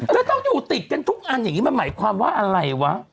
แต่ต้องอยู่ติดกันทุกอันอยากนึกินมาหมายความว่าอะไรวะ